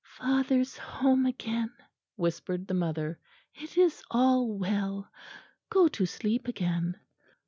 "Father's home again," whispered the mother. "It is all well. Go to sleep again."